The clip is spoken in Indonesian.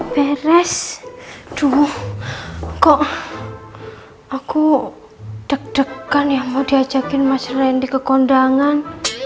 beres dulu kok aku deg degan ya mau diajakin mas randy ke kondangan